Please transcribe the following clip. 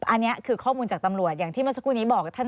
อันนี้คือข้อมูลจากตำรวจอย่างที่เมื่อสักครู่นี้บอกท่าน